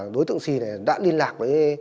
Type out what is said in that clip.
đối tượng sì đã liên lạc